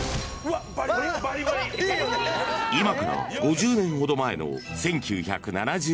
［今から５０年ほど前の］